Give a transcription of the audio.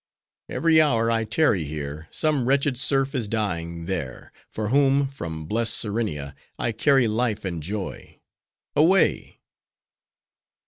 Every hour I tarry here, some wretched serf is dying there, for whom, from blest Serenia, _I carry life and joy. Away!